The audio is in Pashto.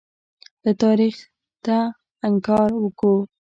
له تاریخیته انکار وکوو.